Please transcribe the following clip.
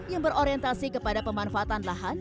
yang berorientasi kepada pemanfaatan lahan